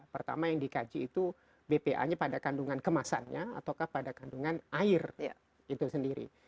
pertama yang dikaji itu bpa nya pada kandungan kemasannya ataukah pada kandungan air itu sendiri